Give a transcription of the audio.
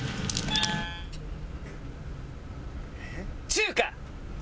中華！